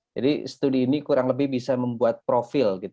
jadi studi ini kurang lebih bisa membuat profil